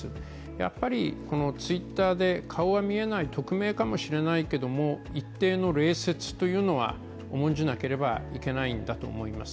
やっぱりＴｗｉｔｔｅｒで顔が見えない匿名かもしれないけれども一定の礼節というのは重んじなければいけないんだと思います。